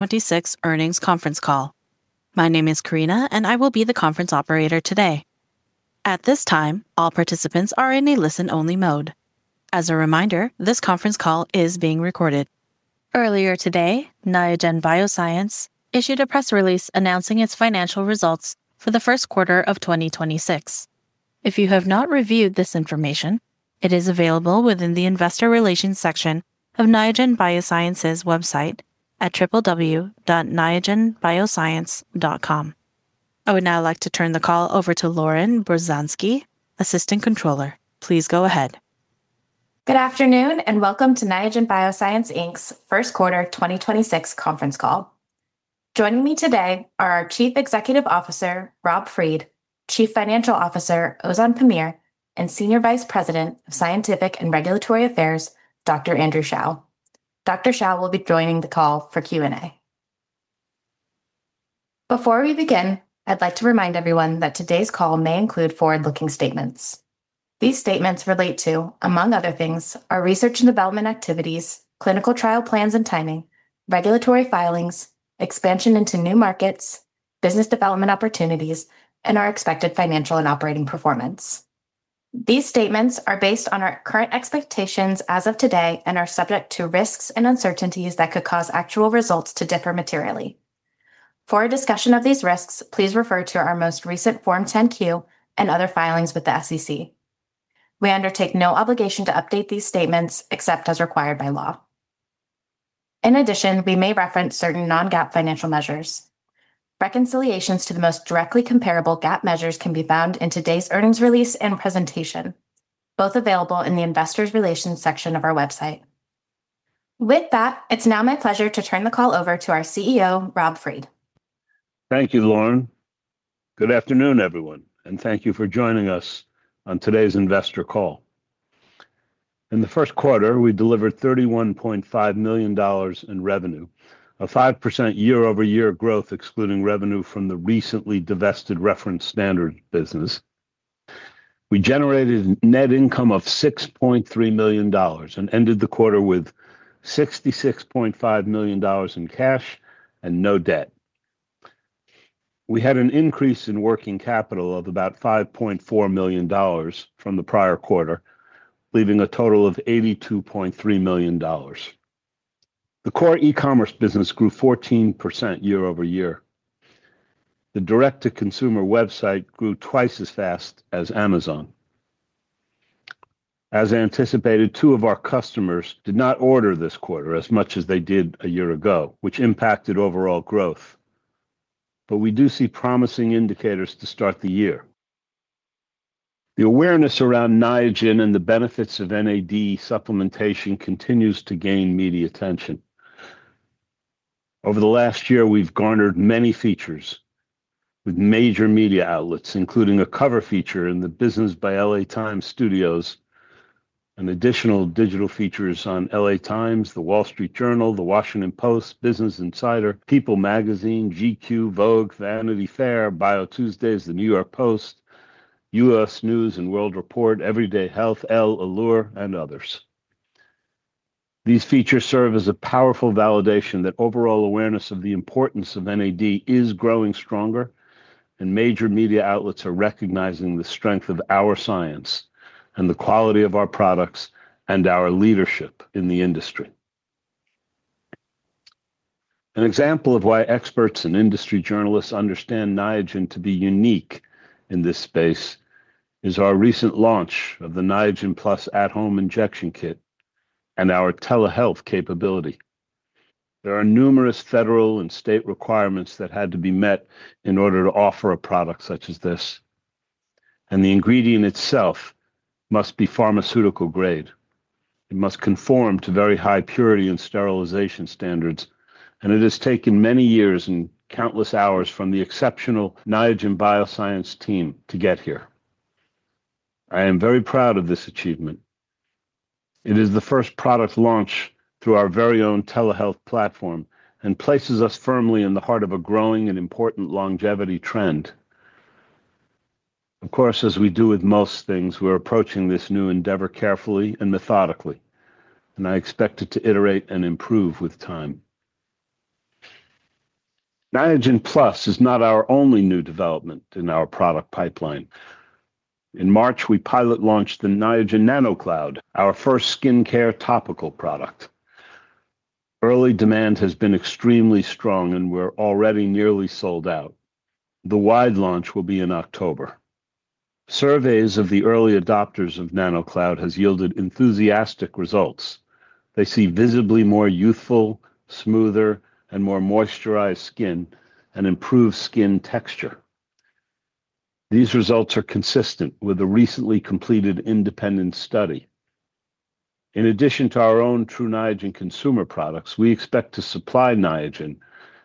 26 earnings conference call. My name is Karina, and I will be the conference operator today. At this time, all participants are in a listen-only mode. As a reminder, this conference call is being recorded. Earlier today, Niagen Bioscience issued a press release announcing its financial results for the first quarter of 2026. If you have not reviewed this information, it is available within the investor relations section of Niagen Bioscience's website at www.niagenbioscience.com. I would now like to turn the call over to Lauren Brzozowski, Assistant Controller. Please go ahead. Good afternoon, and welcome to Niagen Bioscience Inc.'s first quarter 2026 conference call. Joining me today are our Chief Executive Officer, Robert Fried, Chief Financial Officer, Ozan Pamir, and Senior Vice President of Scientific and Regulatory Affairs, Dr. Andrew Shao. Dr. Shao will be joining the call for Q&A. Before we begin, I'd like to remind everyone that today's call may include forward-looking statements. These statements relate to, among other things, our research and development activities, clinical trial plans and timing, regulatory filings, expansion into new markets, business development opportunities, and our expected financial and operating performance. These statements are based on our current expectations as of today and are subject to risks and uncertainties that could cause actual results to differ materially. For a discussion of these risks, please refer to our most recent Form 10-Q and other filings with the SEC. We undertake no obligation to update these statements except as required by law. In addition, we may reference certain non-GAAP financial measures. Reconciliations to the most directly comparable GAAP measures can be found in today's earnings release and presentation, both available in the investors relations section of our website. With that, it's now my pleasure to turn the call over to our CEO, Robert Fried. Thank you, Lauren. Good afternoon, everyone, thank you for joining us on today's investor call. In the first quarter, we delivered $31.5 million in revenue, a 5% year-over-year growth excluding revenue from the recently divested reference standard business. We generated net income of $6.3 million and ended the quarter with $66.5 million in cash and no debt. We had an increase in working capital of about $5.4 million from the prior quarter, leaving a total of $82.3 million. The core e-commerce business grew 14% year-over-year. The direct-to-consumer website grew twice as fast as Amazon. As anticipated, two of our customers did not order this quarter as much as they did a year ago, which impacted overall growth. We do see promising indicators to start the year. The awareness around Niagen and the benefits of NAD supplementation continues to gain media attention. Over the last year, we've garnered many features with major media outlets, including a cover feature in the Business by LA Times Studios and additional digital features on LA Times, The Wall Street Journal, The Washington Post, Business Insider, People Magazine, GQ, Vogue, Vanity Fair, BioTuesdays, The New York Post, U.S. News & World Report, Everyday Health, Elle, Allure, and others. These features serve as a powerful validation that overall awareness of the importance of NAD is growing stronger, and major media outlets are recognizing the strength of our science and the quality of our products and our leadership in the industry. An example of why experts and industry journalists understand Niagen to be unique in this space is our recent launch of the Niagen Plus at-home injection kit and our telehealth capability. There are numerous federal and state requirements that had to be met in order to offer a product such as this, and the ingredient itself must be pharmaceutical-grade. It must conform to very high purity and sterilization standards, and it has taken many years and countless hours from the exceptional Niagen Bioscience team to get here. I am very proud of this achievement. It is the first product launch through our very own telehealth platform and places us firmly in the heart of a growing and important longevity trend. Of course, as we do with most things, we're approaching this new endeavor carefully and methodically, and I expect it to iterate and improve with time. Niagen Plus is not our only new development in our product pipeline. In March, we pilot launched the Niagen NanoCloud, our first skincare topical product. Early demand has been extremely strong. We're already nearly sold out. The wide launch will be in October. Surveys of the early adopters of Niagen NanoCloud has yielded enthusiastic results. They see visibly more youthful, smoother, and more moisturized skin and improved skin texture. These results are consistent with a recently completed independent study. In addition to our own Tru Niagen consumer products, we expect to supply Niagen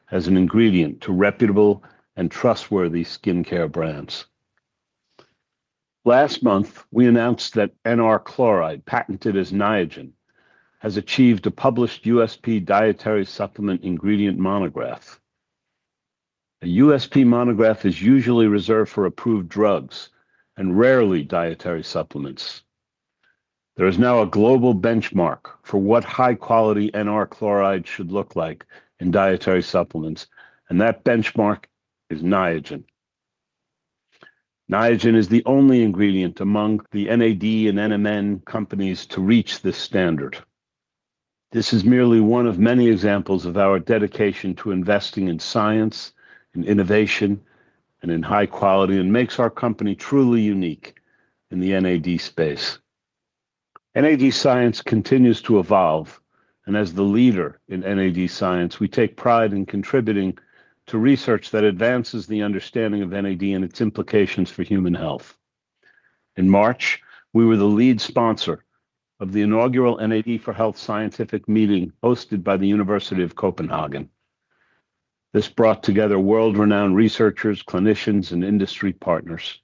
as an ingredient to reputable and trustworthy skincare brands. Last month, we announced that NR chloride, patented as Niagen, has achieved a published USP dietary supplement ingredient monograph. A USP monograph is usually reserved for approved drugs and rarely dietary supplements. There is now a global benchmark for what high-quality NR chloride should look like in dietary supplements, and that benchmark is Niagen. Niagen is the only ingredient among the NAD and NMN companies to reach this standard. This is merely one of many examples of our dedication to investing in science and innovation and in high quality and makes our company truly unique in the NAD space. NAD science continues to evolve, and as the leader in NAD science, we take pride in contributing to research that advances the understanding of NAD and its implications for human health. In March, we were the lead sponsor of the inaugural NAD for Health scientific meeting hosted by the University of Copenhagen. This brought together world-renowned researchers, clinicians, and industry partners.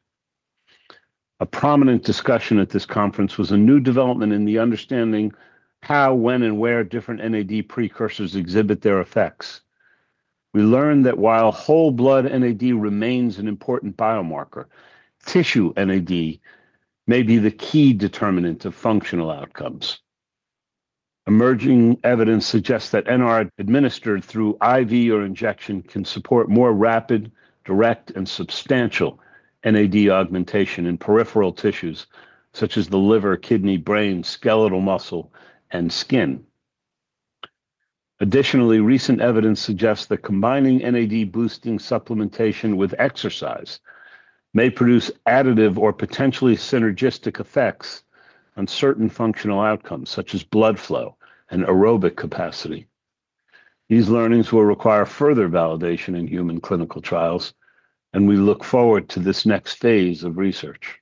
A prominent discussion at this conference was a new development in the understanding how, when, and where different NAD precursors exhibit their effects. We learned that while whole blood NAD remains an important biomarker, tissue NAD may be the key determinant of functional outcomes. Emerging evidence suggests that NR administered through IV or injection can support more rapid, direct, and substantial NAD augmentation in peripheral tissues such as the liver, kidney, brain, skeletal muscle, and skin. Additionally, recent evidence suggests that combining NAD-boosting supplementation with exercise may produce additive or potentially synergistic effects on certain functional outcomes such as blood flow and aerobic capacity. These learnings will require further validation in human clinical trials, and we look forward to this next phase of research.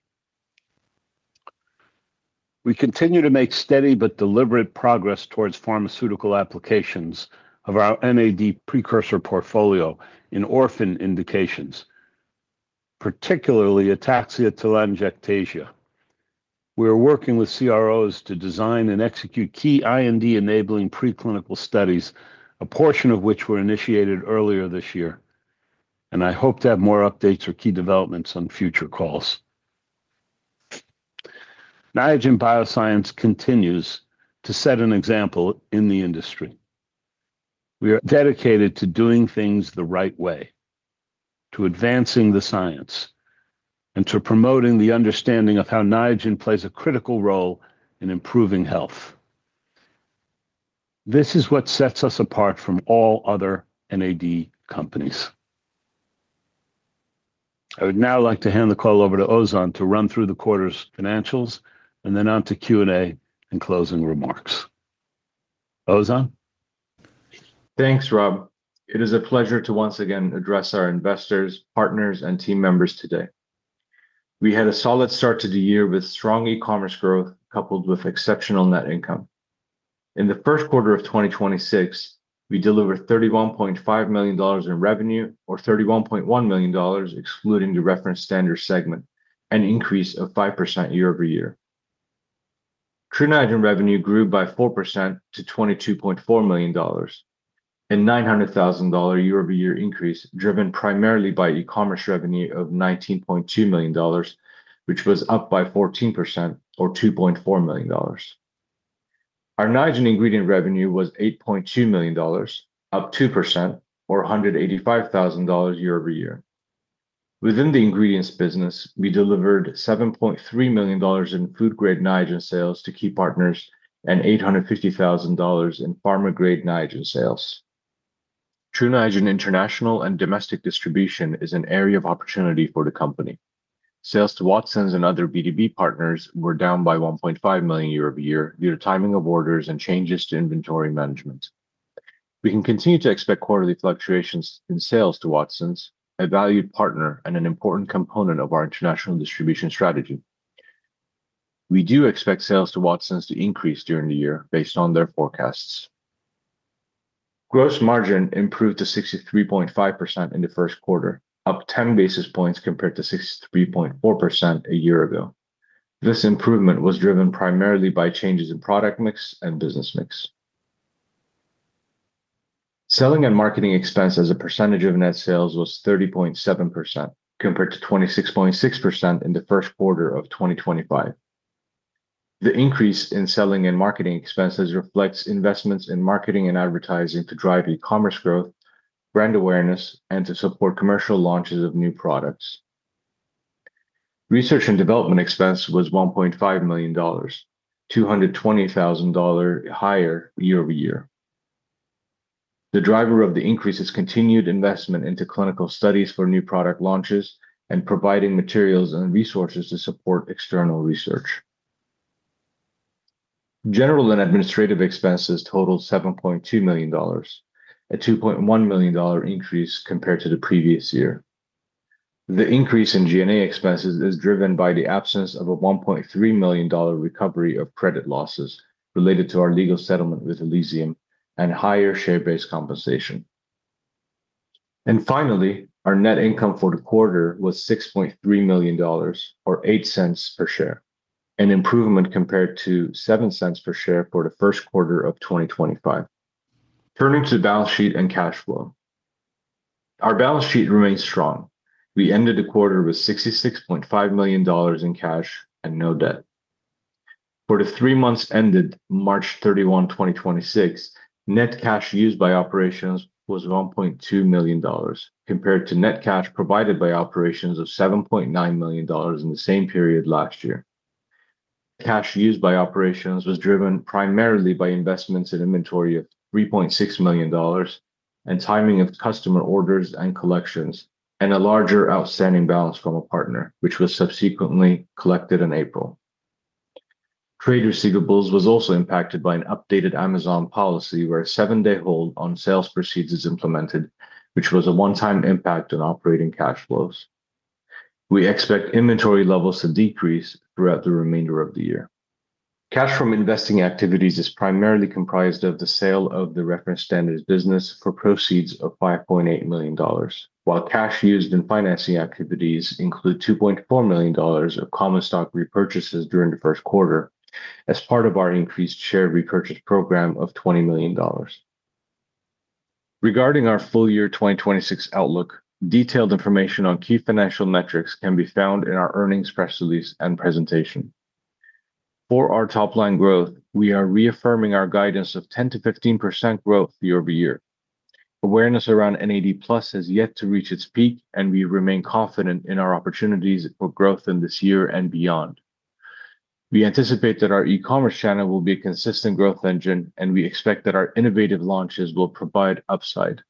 We continue to make steady but deliberate progress towards pharmaceutical applications of our NAD precursor portfolio in orphan indications, particularly ataxia-telangiectasia. We are working with CROs to design and execute key IND-enabling preclinical studies, a portion of which were initiated earlier this year, and I hope to have more updates or key developments on future calls. Niagen Bioscience continues to set an example in the industry. We are dedicated to doing things the right way, to advancing the science, and to promoting the understanding of how Niagen plays a critical role in improving health. This is what sets us apart from all other NAD companies. I would now like to hand the call over to Ozan to run through the quarter's financials and then on to Q&A and closing remarks. Ozan? Thanks, Rob. It is a pleasure to once again address our investors, partners, and team members today. We had a solid start to the year with strong e-commerce growth, coupled with exceptional net income. In the first quarter of 2026, we delivered $31.5 million in revenue or $31.1 million, excluding the reference standard segment, an increase of 5% year-over-year. Tru Niagen revenue grew by 4% to $22.4 million, a $900,000 year-over-year increase driven primarily by e-commerce revenue of $19.2 million, which was up by 14% or $2.4 million. Our Niagen ingredient revenue was $8.2 million, up 2% or $185,000 year-over-year. Within the ingredients business, we delivered $7.3 million in food-grade Niagen sales to key partners and $850,000 in pharma-grade Niagen sales. Tru Niagen international and domestic distribution is an area of opportunity for the company. Sales to Watsons and other B2B partners were down by $1.5 million year-over-year due to timing of orders and changes to inventory management. We can continue to expect quarterly fluctuations in sales to Watsons, a valued partner and an important component of our international distribution strategy. We do expect sales to Watsons to increase during the year based on their forecasts. Gross margin improved to 63.5% in the first quarter, up 10 basis points compared to 63.4% a year ago. This improvement was driven primarily by changes in product mix and business mix. Selling and marketing expense as a percentage of net sales was 30.7%, compared to 26.6% in the first quarter of 2025. The increase in selling and marketing expenses reflects investments in marketing and advertising to drive e-commerce growth, brand awareness, and to support commercial launches of new products. Research and development expense was $1.5 million, $220,000 higher year-over-year. The driver of the increase is continued investment into clinical studies for new product launches and providing materials and resources to support external research. General and administrative expenses totaled $7.2 million, a $2.1 million increase compared to the previous year. The increase in G&A expenses is driven by the absence of a $1.3 million recovery of credit losses related to our legal settlement with Elysium and higher share-based compensation. Finally, our net income for the quarter was $6.3 million or $0.08 per share. An improvement compared to $0.07 per share for the first quarter of 2025. Turning to the balance sheet and cash flow. Our balance sheet remains strong. We ended the quarter with $66.5 million in cash and no debt. For the three months ended March 31, 2026, net cash used by operations was $1.2 million, compared to net cash provided by operations of $7.9 million in the same period last year. Cash used by operations was driven primarily by investments in inventory of $3.6 million and timing of customer orders and collections, and a larger outstanding balance from a partner, which was subsequently collected in April. Trade receivables was also impacted by an updated Amazon policy, where a seven-day hold on sales proceeds is implemented, which was a one-time impact on operating cash flows. We expect inventory levels to decrease throughout the remainder of the year. Cash from investing activities is primarily comprised of the sale of the Reference Standards business for proceeds of $5.8 million. Cash used in financing activities include $2.4 million of common stock repurchases during the first quarter as part of our increased share repurchase program of $20 million. Regarding our full year 2026 outlook, detailed information on key financial metrics can be found in our earnings press release and presentation. For our top-line growth, we are reaffirming our guidance of 10%-15% growth year-over-year. Awareness around NAD+ has yet to reach its peak, and we remain confident in our opportunities for growth in this year and beyond. We anticipate that our e-commerce channel will be a consistent growth engine, and we expect that our innovative launches will provide upside.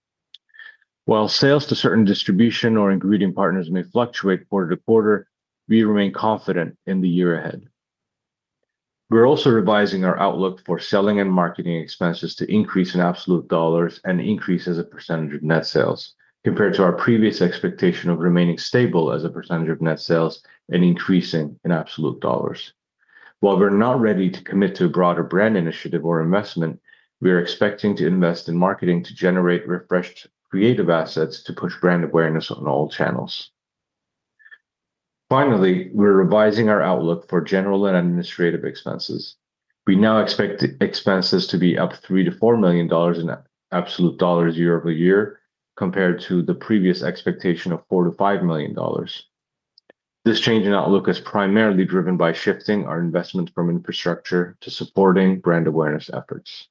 While sales to certain distribution or ingredient partners may fluctuate quarter-to-quarter, we remain confident in the year ahead. We're also revising our outlook for selling and marketing expenses to increase in absolute dollars and increase as a percentage of net sales compared to our previous expectation of remaining stable as a percentage of net sales and increasing in absolute dollars. While we're not ready to commit to a broader brand initiative or investment, we are expecting to invest in marketing to generate refreshed creative assets to push brand awareness on all channels. Finally, we're revising our outlook for general and administrative expenses. We now expect G&A expenses to be up $3 million-$4 million in absolute dollars year-over-year compared to the previous expectation of $4 million-$5 million. This change in outlook is primarily driven by shifting our investments from infrastructure to supporting brand awareness efforts.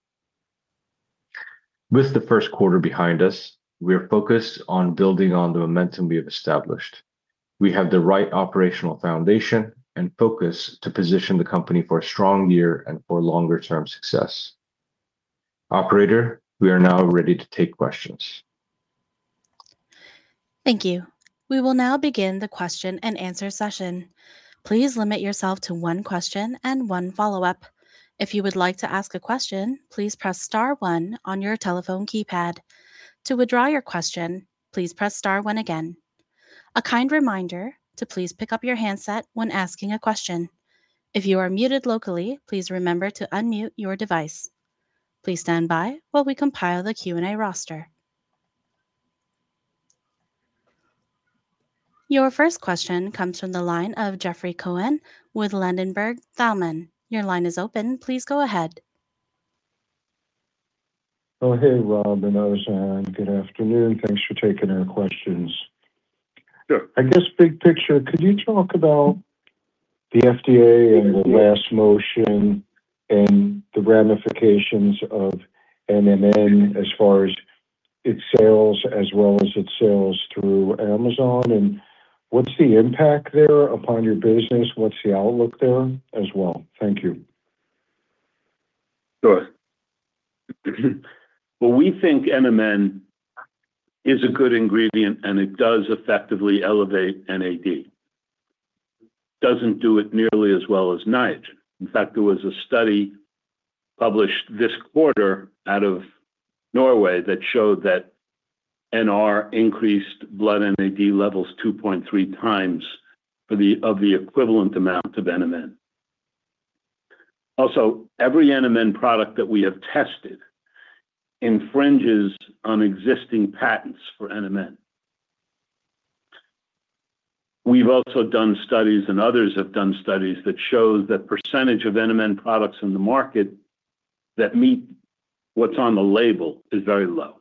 With the first quarter behind us, we are focused on building on the momentum we have established. We have the right operational foundation and focus to position the company for a strong year and for longer-term success. Operator, we are now ready to take questions. Thank you. We will now begin the question and answer session. Please limit yourself to one question and one follow-up. If you would like to ask a question, please press star one on your telephone keypad. To withdraw your question, please press star one again. A kind reminder to please pick up your handset when asking a question. If you are muted locally, please remember to unmute your device. Please stand by while we compile the Q&A roster. Your first question comes from the line of Jeffrey Cohen with Ladenburg Thalmann. Your line is open. Please go ahead. Hey, Rob and Ozan. Good afternoon. Thanks for taking our questions. Sure. I guess big picture, could you talk about the FDA and the last motion and the ramifications of NMN as far as its sales as well as its sales through Amazon? What's the impact there upon your business? What's the outlook there as well? Thank you. Sure. Well, we think NMN is a good ingredient. It does effectively elevate NAD. Doesn't do it nearly as well as Niagen. There was a study published this quarter out of Norway that showed that NR increased blood NAD levels 2.3x of the equivalent amount of NMN. Every NMN product that we have tested infringes on existing patents for NMN. We've also done studies, others have done studies that shows that percentage of NMN products in the market that meet what's on the label is very low.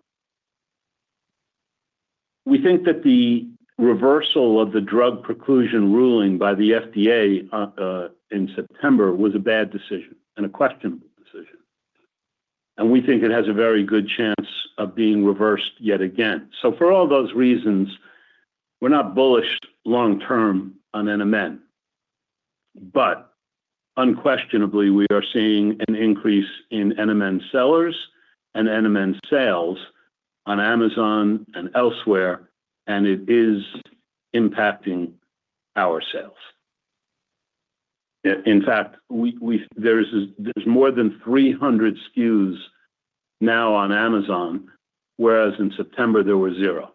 We think that the reversal of the drug preclusion ruling by the FDA in September was a bad decision and a questionable decision. We think it has a very good chance of being reversed yet again. For all those reasons, we're not bullish long term on NMN. Unquestionably, we are seeing an increase in NMN sellers and NMN sales on Amazon and elsewhere, and it is impacting our sales. In fact, there's more than 300 SKUs now on Amazon, whereas in September there were zero.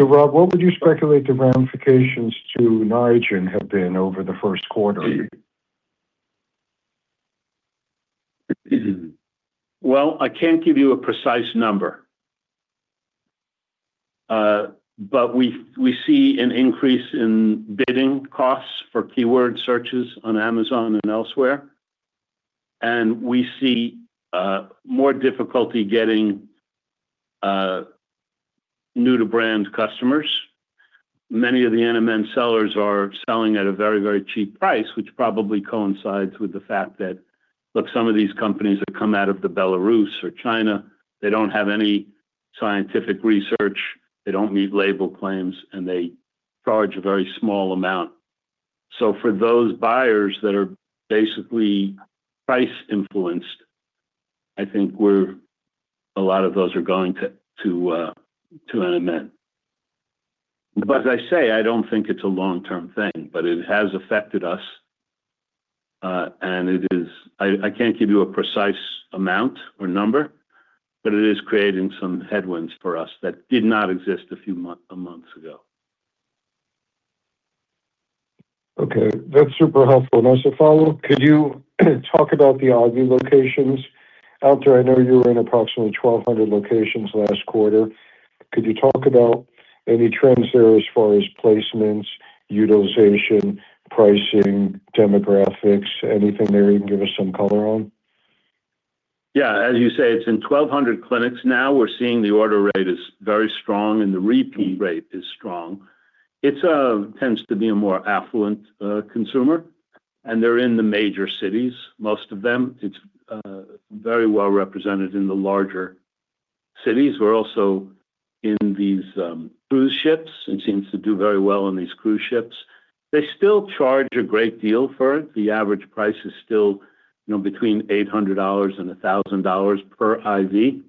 Rob, what would you speculate the ramifications to Niagen have been over the first quarter? Well, I can't give you a precise number. We see an increase in bidding costs for keyword searches on Amazon and elsewhere, and we see more difficulty getting new-to-brand customers. Many of the NMN sellers are selling at a very, very cheap price, which probably coincides with the fact that, look, some of these companies that come out of Belarus or China, they don't have any scientific research. They don't meet label claims, they charge a very small amount. For those buyers that are basically price influenced, I think a lot of those are going to NMN. As I say, I don't think it's a long-term thing, but it has affected us. It is, I can't give you a precise amount or number, but it is creating some headwinds for us that did not exist a few months ago. Okay. That's super helpful. As a follow-up, could you talk about the IV locations? Out there, I know you were in approximately 1,200 locations last quarter. Could you talk about any trends there as far as placements, utilization, pricing, demographics, anything there you can give us some color on? Yeah. As you say, it's in 1,200 clinics now. We're seeing the order rate is very strong and the repeat rate is strong. It tends to be a more affluent consumer, and they're in the major cities, most of them. It's very well represented in the larger cities. We're also in these cruise ships and seems to do very well on these cruise ships. They still charge a great deal for it. The average price is still, you know, between $800 and $1,000 per IV.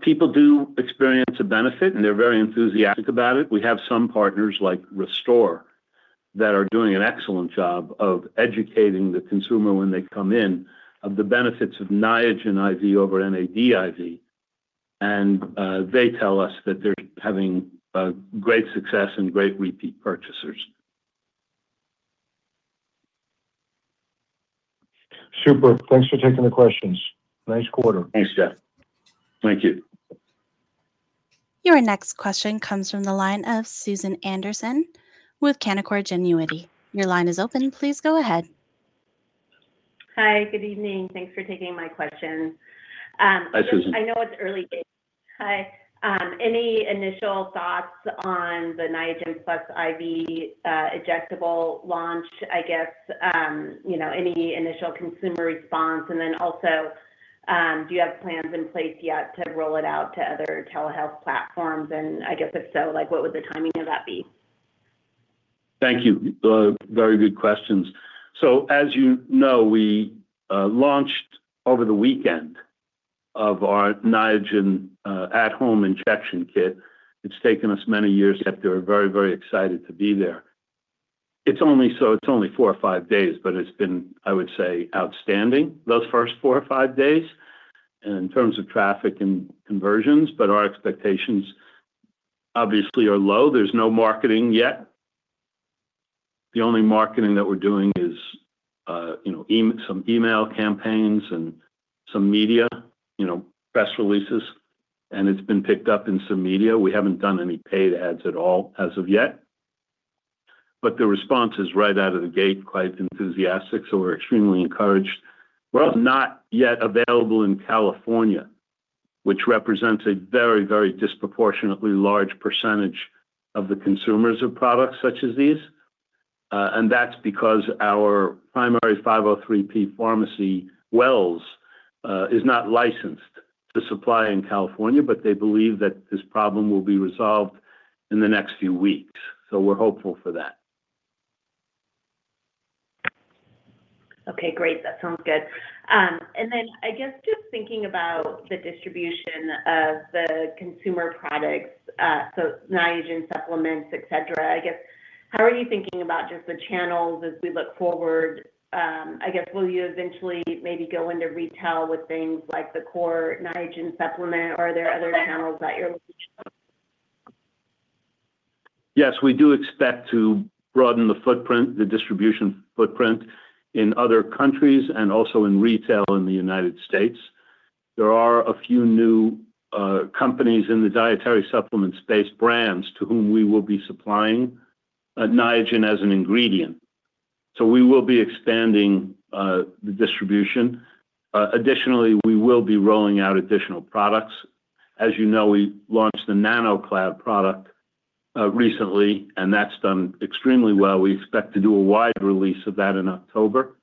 People do experience a benefit, and they're very enthusiastic about it. We have some partners like Restore that are doing an excellent job of educating the consumer when they come in of the benefits of Niagen IV over NAD IV. They tell us that they're having a great success and great repeat purchasers. Super. Thanks for taking the questions. Nice quarter. Thanks, Jeff. Thank you. Your next question comes from the line of Susan Anderson with Canaccord Genuity. Your line is open. Please go ahead. Hi. Good evening. Thanks for taking my questions. Hi, Susan. I know it's early days. Hi. Any initial thoughts on the Niagen Plus IV injectable launch, I guess, you know, any initial consumer response? Do you have plans in place yet to roll it out to other telehealth platforms? If so, like, what would the timing of that be? Thank you. Very good questions. As you know, we launched over the weekend of our Niagen at home injection kit. It's taken us many years, yet we're very, very excited to be there. It's only four or five days, but it's been, I would say, outstanding those first four or five days in terms of traffic and conversions. Our expectations obviously are low. There's no marketing yet. The only marketing that we're doing is, you know, email, some email campaigns and some media, you know, press releases, and it's been picked up in some media. We haven't done any paid ads at all as of yet, but the response is right out of the gate, quite enthusiastic, so we're extremely encouraged. We're not yet available in California, which represents a very, very disproportionately large percentage of the consumers of products such as these. That's because our primary 503B pharmacy, Wells, is not licensed to supply in California. They believe that this problem will be resolved in the next few weeks. We're hopeful for that. Okay, great. That sounds good. Then I guess just thinking about the distribution of the consumer products, so Niagen supplements, etc. I guess, how are you thinking about just the channels as we look forward? I guess, will you eventually maybe go into retail with things like the core Niagen supplement? Are there other channels that you're looking to go? Yes, we do expect to broaden the footprint, the distribution footprint in other countries and also in retail in the United States. There are a few new companies in the dietary supplement space brands to whom we will be supplying Niagen as an ingredient. We will be expanding the distribution. Additionally, we will be rolling out additional products. As you know, we launched the Niagen NanoCloud product recently, and that's done extremely well. We expect to do a wide release of that in October.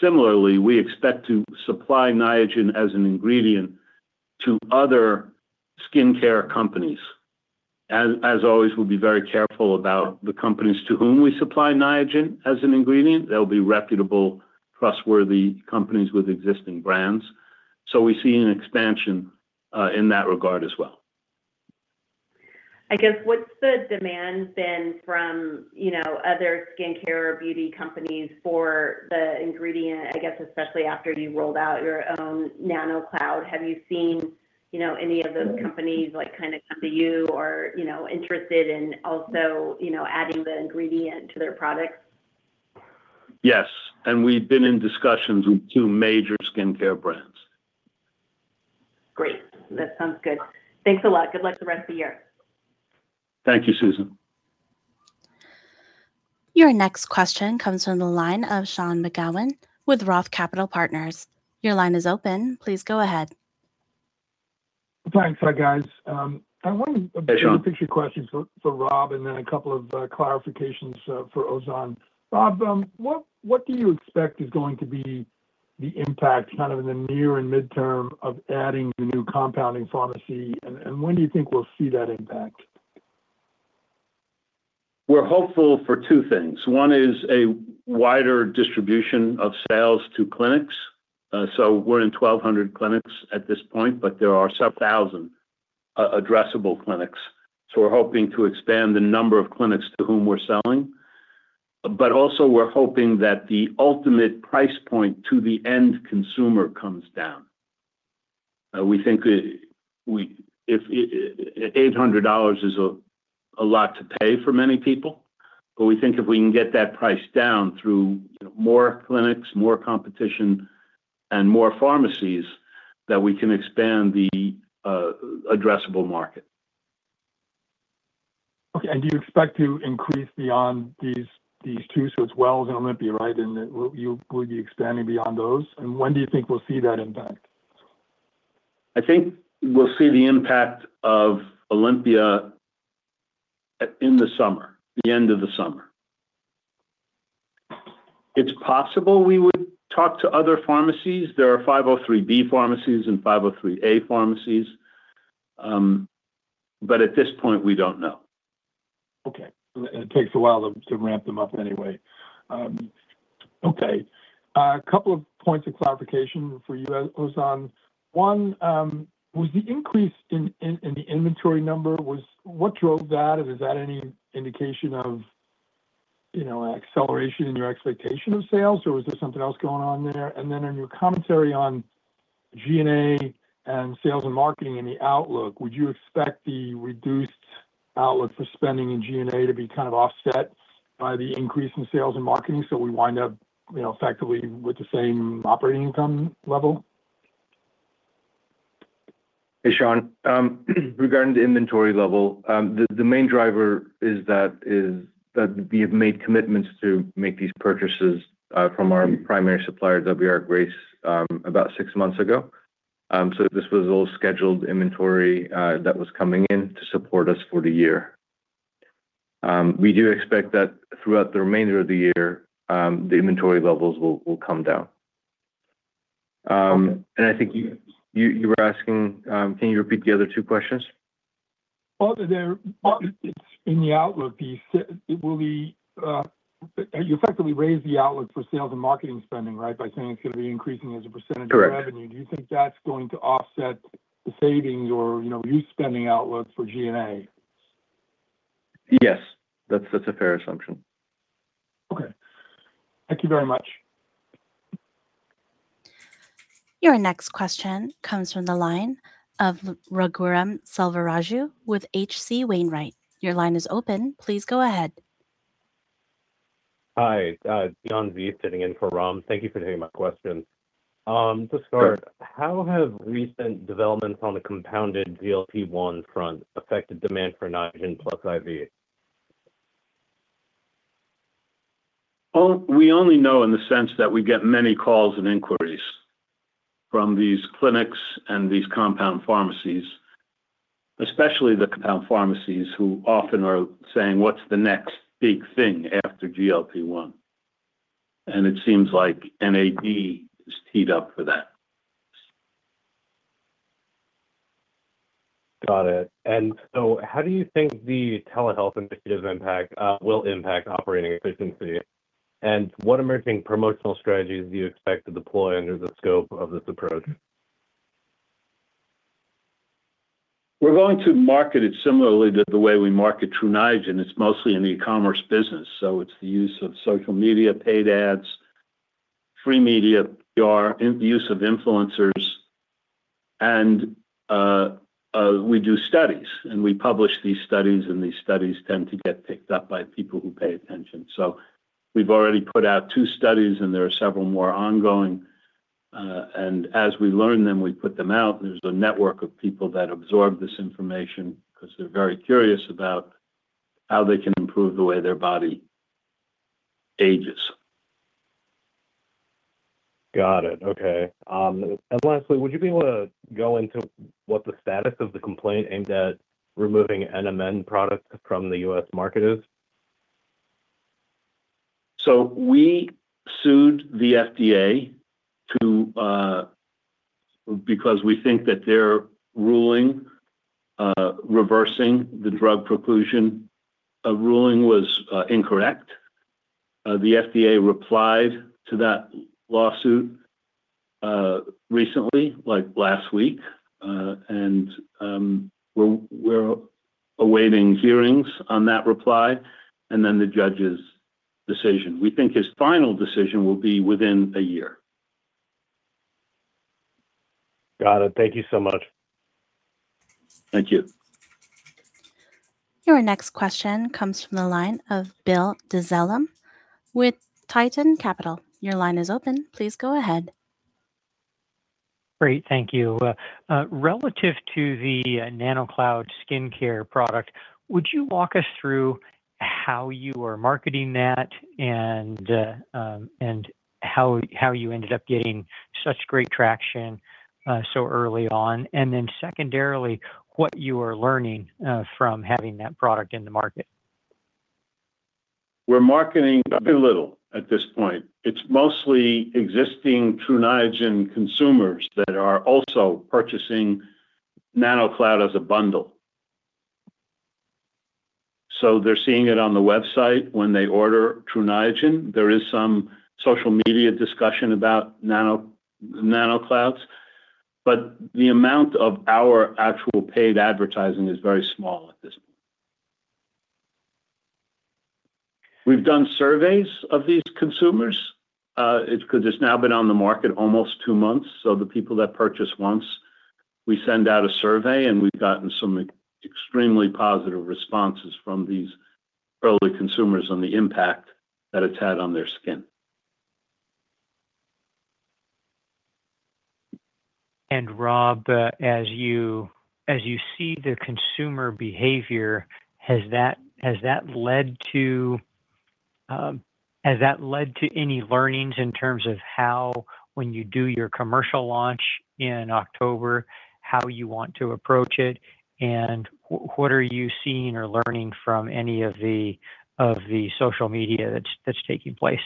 Similarly, we expect to supply Niagen as an ingredient to other skincare companies. As always, we'll be very careful about the companies to whom we supply Niagen as an ingredient. They'll be reputable, trustworthy companies with existing brands. We see an expansion in that regard as well. I guess, what's the demand been from, you know, other skincare beauty companies for the ingredient? I guess, especially after you rolled out your own Niagen NanoCloud. Have you seen, you know, any of those companies, like, kind of come to you or, you know, interested in also, you know, adding the ingredient to their products? Yes. We've been in discussions with two major skincare brands. Great. That sounds good. Thanks a lot. Good luck the rest of the year. Thank you, Susan. Your next question comes from the line of Sean McGowan with Roth Capital Partners. Your line is open. Please go ahead. Thanks. Hi, guys. Hey, Sean. A two-part question for Rob, and then a couple of clarifications for Ozan. Rob, what do you expect is going to be the impact, kind of in the near and midterm, of adding the new compounding pharmacy? When do you think we'll see that impact? We're hopeful for two things. One is a wider distribution of sales to clinics. We're in 1,200 clinics at this point, but there are several thousand addressable clinics. We're hoping to expand the number of clinics to whom we're selling. Also we're hoping that the ultimate price point to the end consumer comes down. We think we $800 is a lot to pay for many people. We think if we can get that price down through, you know, more clinics, more competition, and more pharmacies, that we can expand the addressable market. Okay. Do you expect to increase beyond these two? It's Wells and Olympia, right? Will you be expanding beyond those? When do you think we'll see that impact? I think we'll see the impact of Olympia in the summer, the end of the summer. It's possible we would talk to other pharmacies. There are 503B pharmacies and 503A pharmacies. At this point, we don't know. Okay. It takes a while to ramp them up anyway. Okay. A couple of points of clarification for you, Ozan. One, was the increase in the inventory number, what drove that? Is that any indication of, you know, acceleration in your expectation of sales, or was there something else going on there? Then in your commentary on G&A and sales and marketing and the outlook, would you expect the reduced outlook for spending in G&A to be kind of offset by the increase in sales and marketing, so we wind up, you know, effectively with the same operating income level? Hey, Sean. Regarding the inventory level, the main driver is that we have made commitments to make these purchases from our primary supplier, W. R. Grace, about six months ago. This was all scheduled inventory that was coming in to support us for the year. We do expect that throughout the remainder of the year, the inventory levels will come down. Okay. I think you were asking, can you repeat the other two questions? Well, it's in the outlook. Will the You effectively raised the outlook for sales and marketing spending, right? By saying it's gonna be increasing as a % of revenue. Correct. Do you think that's going to offset the savings or, you know, reduced spending outlook for G&A? Yes. That's a fair assumption. Okay. Thank you very much. Your next question comes from the line of Raghuram Selvaraju with H.C. Wainwright. Your line is open. Please go ahead. Hi. John V sitting in for Ram. Thank you for taking my questions. Sure how have recent developments on the compounded GLP-1 front affected demand for Niagen+ IV? We only know in the sense that we get many calls and inquiries from these clinics and these compound pharmacies, especially the compound pharmacies who often are saying, "What's the next big thing after GLP-1?" It seems like NAD is teed up for that. Got it. How do you think the telehealth initiative will impact operating efficiency? What emerging promotional strategies do you expect to deploy under the scope of this approach? We're going to market it similarly to the way we market Tru Niagen. It's mostly an e-commerce business, so it's the use of social media, paid ads, free media PR, the use of influencers, and we do studies, and we publish these studies, and these studies tend to get picked up by people who pay attention. We've already put out two studies, and there are several more ongoing. As we learn them, we put them out, and there's a network of people that absorb this information 'cause they're very curious about how they can improve the way their body ages. Got it. Okay. Lastly, would you be able to go into what the status of the complaint aimed at removing NMN products from the U.S. market is? We sued the FDA because we think that their ruling, reversing the drug preclusion ruling was incorrect. The FDA replied to that lawsuit recently, like last week. We're awaiting hearings on that reply and then the judge's decision. We think his final decision will be within a year. Got it. Thank you so much. Thank you. Your next question comes from the line of Bill Dezellem with Tieton Capital. Your line is open. Please go ahead. Great. Thank you. Relative to the Nano Cloud skincare product, would you walk us through how you are marketing that and how you ended up getting such great traction so early on? Secondarily, what you are learning from having that product in the market. We're marketing very little at this point. It's mostly existing Tru Niagen consumers that are also purchasing Nano Cloud as a bundle. They're seeing it on the website when they order Tru Niagen. There is some social media discussion about Nano Clouds, but the amount of our actual paid advertising is very small at this point. We've done surveys of these consumers, 'cause it's now been on the market almost two months. The people that purchase once, we send out a survey, and we've gotten some extremely positive responses from these early consumers on the impact that it's had on their skin. Rob, as you see the consumer behavior, has that led to any learnings in terms of how when you do your commercial launch in October, how you want to approach it? What are you seeing or learning from any of the social media that's taking place?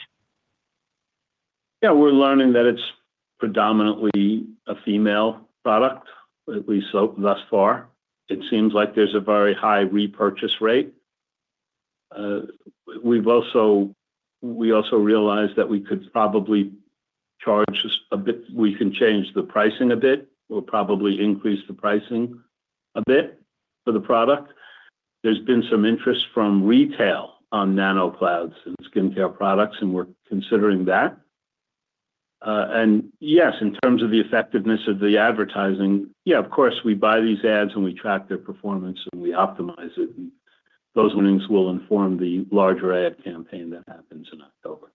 We're learning that it's predominantly a female product, at least so thus far. It seems like there's a very high repurchase rate. We also realized that we can change the pricing a bit. We'll probably increase the pricing a bit for the product. There's been some interest from retail on Niagen NanoCloud and skincare products. We're considering that. Yes, in terms of the effectiveness of the advertising, of course, we buy these ads, and we track their performance, and we optimize it, and those learnings will inform the larger ad campaign that happens in October.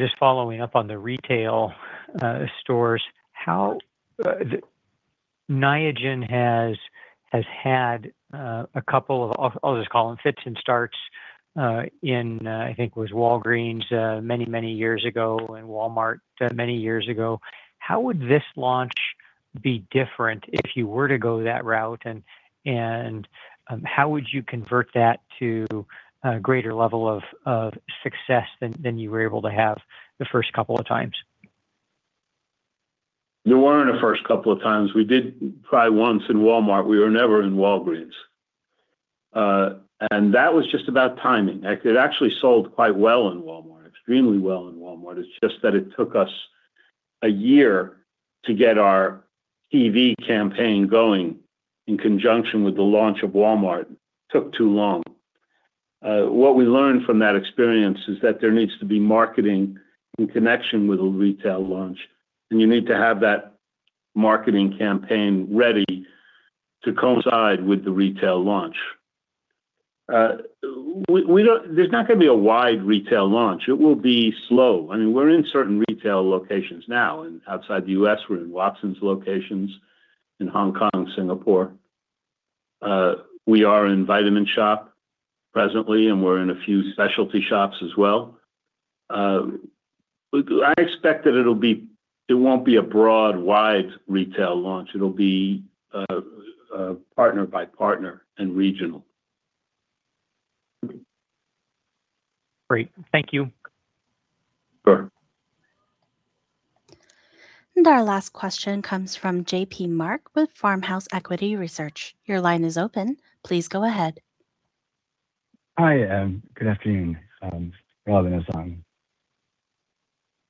Just following up on the retail stores, how the Niagen has had a couple of, I'll just call them fits and starts, in I think it was Walgreens many, many years ago and Walmart many years ago. How would this launch be different if you were to go that route, and how would you convert that to a greater level of success than you were able to have the first couple of times? There weren't a first couple of times. We did try once in Walmart. We were never in Walgreens. That was just about timing. It actually sold quite well in Walmart, extremely well in Walmart. It's just that it took us a year to get our TV campaign going in conjunction with the launch of Walmart. Took too long. What we learned from that experience is that there needs to be marketing in connection with a retail launch. You need to have that marketing campaign ready to coincide with the retail launch. There's not going to be a wide retail launch. It will be slow. I mean, we're in certain retail locations now, and outside the U.S., we're in Watsons locations in Hong Kong, Singapore. We are in Vitamin Shoppe presently. We're in a few specialty shops as well. I expect that it won't be a broad, wide retail launch. It'll be partner by partner and regional. Great. Thank you. Sure. Our last question comes from J.P. Mark with Farmhouse Equity Research. Hi, good afternoon, Rob and Ozan Pamir.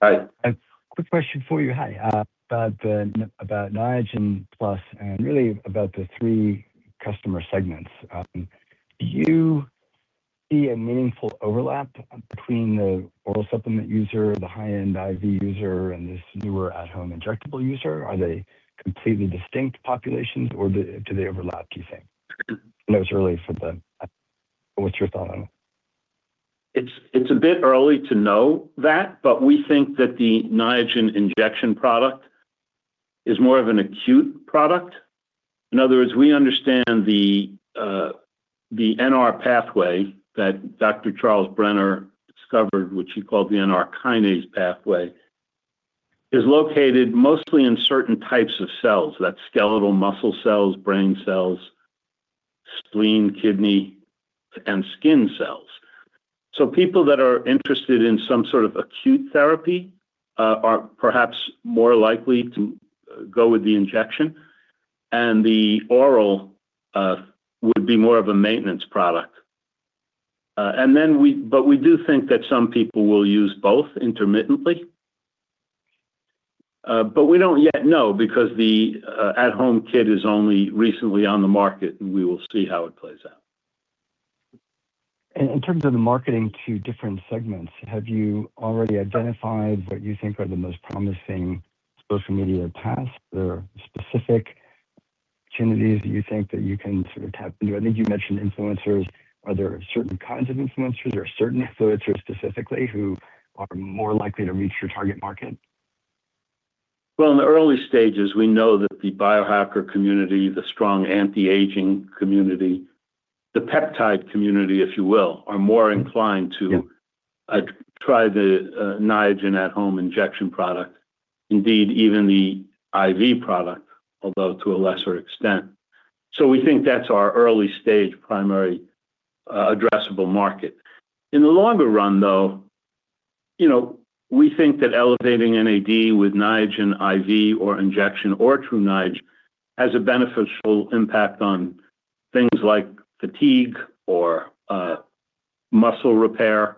Hi. A quick question for you, hi, about Niagen Plus and really about the three customer segments. Do you see a meaningful overlap between the oral supplement user, the high-end IV user, and this newer at-home injectable user? Are they completely distinct populations, or do they overlap, do you think? I know it's early for the. What's your thought on them? It's a bit early to know that. We think that the Niagen injection product is more of an acute product. In other words, we understand the NR pathway that Dr. Charles Brenner discovered, which he called the NR kinase pathway, is located mostly in certain types of cells. That's skeletal muscle cells, brain cells, spleen, kidney, and skin cells. People that are interested in some sort of acute therapy are perhaps more likely to go with the injection. The oral would be more of a maintenance product. We do think that some people will use both intermittently. We don't yet know because the at-home kit is only recently on the market. We will see how it plays out. In terms of the marketing to different segments, have you already identified what you think are the most promising social media tasks or specific opportunities that you think that you can sort of tap into? I think you mentioned influencers. Are there certain kinds of influencers or certain influencers specifically who are more likely to reach your target market? Well, in the early stages, we know that the biohacker community, the strong anti-aging community, the peptide community, if you will, are more inclined. Yeah Try the Niagen at home injection product. Indeed, even the IV product, although to a lesser extent. We think that's our early stage primary addressable market. In the longer run, though, you know, we think that elevating NAD with Niagen IV or injection or Tru Niagen has a beneficial impact on things like fatigue or muscle repair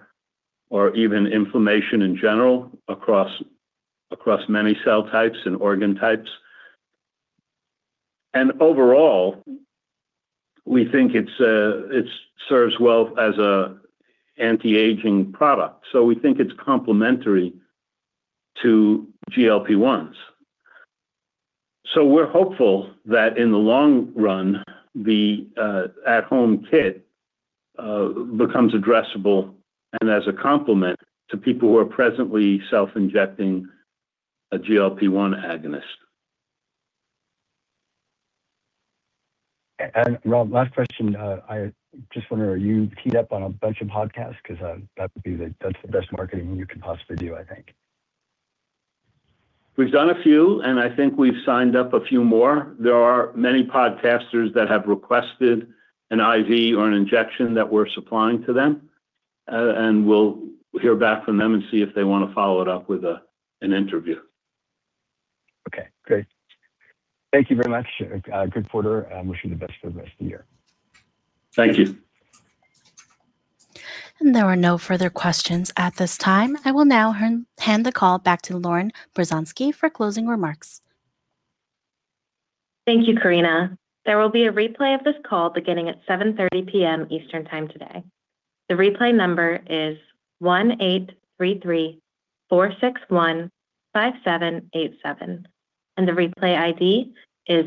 or even inflammation in general across many cell types and organ types. Overall, we think it's it serves well as a anti-aging product. We think it's complementary to GLP-1s. We're hopeful that in the long run, the at home kit becomes addressable and as a complement to people who are presently self-injecting a GLP-1 agonist. Rob, last question. I just wonder, are you keyed up on a bunch of podcasts? Because that's the best marketing you could possibly do, I think. We've done a few, and I think we've signed up a few more. There are many podcasters that have requested an IV or an injection that we're supplying to them, and we'll hear back from them and see if they want to follow it up with an interview. Okay, great. Thank you very much. Good quarter, and wish you the best for the rest of the year. Thank you. There are no further questions at this time. I will now hand the call back to Lauren Brzozowski for closing remarks. Thank you, Karina. There will be a replay of this call beginning at 7:30 P.M. Eastern time today. The replay number is 1-833-461-5787, and the replay ID is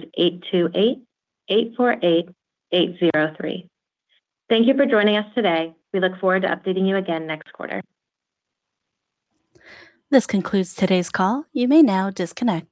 828848803. Thank you for joining us today. We look forward to updating you again next quarter. This concludes today's call. You may now disconnect.